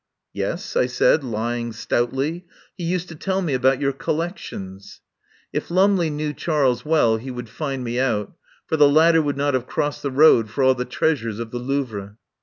"Yes," I said, lying stoutly. "He used to tell me about your collections." (If Lumley knew Charles well he would find me out, for the latter would not have crossed the road for all the treasures of the Louvre.)